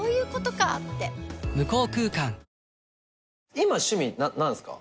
今趣味何ですか？